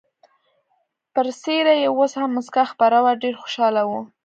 پر څېره یې اوس هم مسکا خپره وه، ډېر خوشحاله و.